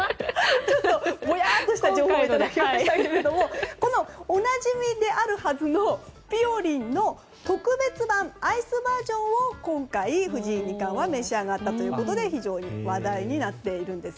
ちょっとぼやっとした情報をいただきましたがこのおなじみであるはずのぴよりんの特別版アイスバージョンを今回、藤井二冠は召し上がったということで非常に話題になっているんです。